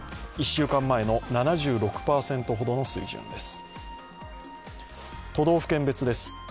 １週間前の７６％ほどの数字です。